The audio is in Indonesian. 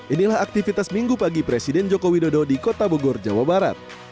inilah aktivitas minggu pagi presiden joko widodo di kota bogor jawa barat